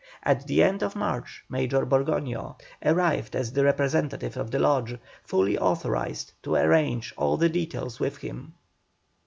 At the end of March Major Borgoño arrived as the representative of the Lodge, fully authorised to arrange all the details with him.